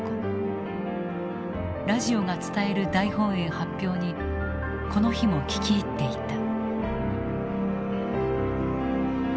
ラジオが伝える大本営発表にこの日も聞き入っていた。